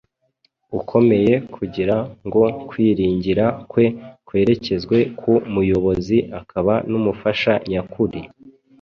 ukomeye kugira ngo kwiringira kwe kwerekezwe ku Muyobozi akaba n’Umufasha nyakuri!